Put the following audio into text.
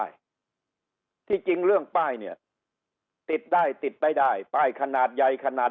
ได้ที่จริงเรื่องป้ายเนี่ยติดได้ติดไม่ได้ป้ายขนาดใหญ่ขนาด